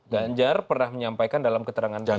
ganjar pernah menyampaikan dalam keterangan beliau